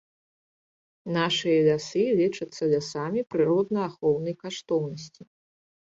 Нашыя лясы лічацца лясамі прыродаахоўнай каштоўнасці.